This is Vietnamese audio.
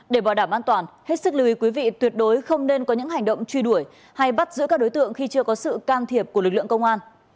để bảo đảm an toàn hết sức lưu ý quý vị tuyệt đối không nên có những hành động truy đuổi hay bắt giữ các đối tượng khi chưa có sự can thiệp của lực lượng công an